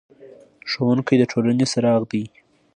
ښوونکی د ټولنې څراغ دی.